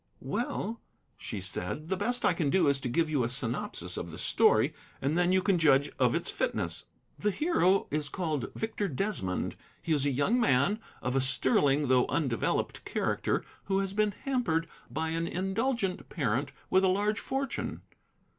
"Well," she said, "the best I can do is to give you a synopsis of the story, and then you can judge of its fitness. The hero is called Victor Desmond. He is a young man of a sterling though undeveloped character, who has been hampered by an indulgent parent with a large fortune.